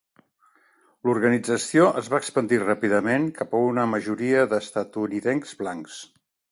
L'organització es va expandir ràpidament cap a una majoria d'estatunidencs blancs.